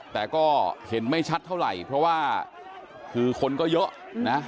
แต่ก็เห็นไม่ชัดเท่าไหร่เพราะว่าคือคนก็เยอะนะ